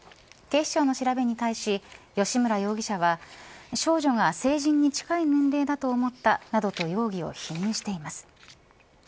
警視庁の調べに対し吉村容疑者は少女が成人に近い年齢だと思ったなどと容疑を否認しています。